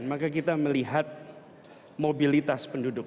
maka kita melihat mobilitas penduduk